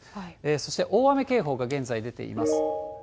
そして大雨警報が現在出ています。